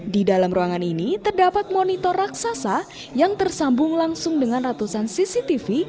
di dalam ruangan ini terdapat monitor raksasa yang tersambung langsung dengan ratusan cctv